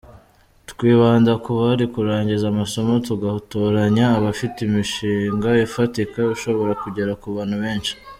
Twibanda ku bari kurangiza amasomo, tugatoranya abafite imishinga ifatika ishobora kugera ku bantu benshi.